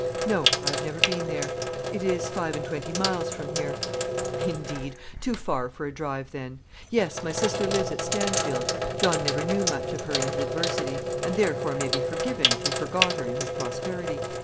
"No, I have never been there. It is five and twenty miles from here." "Indeed! too far for a drive, then. Yes, my sister lives at Stanfield. John never knew much of her in his adversity; and therefore may be forgiven if he forgot her in his prosperity.